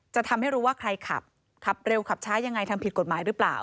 จะทำให้รู้ว่าใครขับขับเร็วขับช้ายังไงทำผิดกฎหมายหรือเปล่า